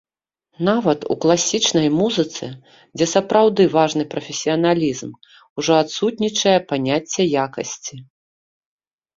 Нават у класічнай музыцы, дзе сапраўды важны прафесіяналізм, ужо адсутнічае паняцце якасці.